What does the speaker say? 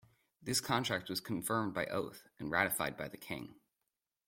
This contract was confirmed by oath, and ratified by the King.